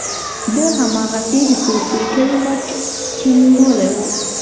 ده هماغسې د تورپيکۍ مټ ټينګ نيولی و.